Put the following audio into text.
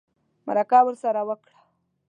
مرکه ورسره وکړه